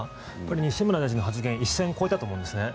西村大臣の発言は一線を越えたと思うんですね。